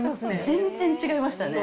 全然違いましたね。